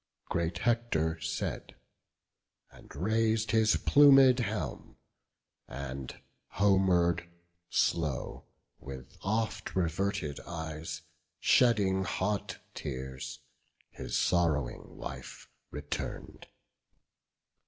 Great Hector said, and rais'd his plumed helm; And homeward, slow, with oft reverted eyes, Shedding hot tears, his sorrowing wife return'd.